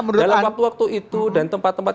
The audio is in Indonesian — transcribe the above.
menurut anda dalam waktu waktu itu dan tempat tempat